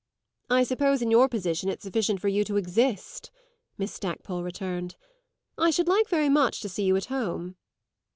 "I suppose in your position it's sufficient for you to exist!" Miss Stackpole returned. "I should like very much to see you at home."